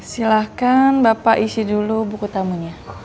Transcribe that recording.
silahkan bapak isi dulu buku tamunya